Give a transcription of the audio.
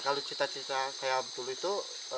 kalau cita cita saya abdul itu